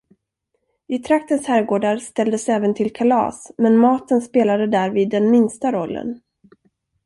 I traktens herrgårdar ställdes även till kalas, men maten spelade därvid den minsta rollen.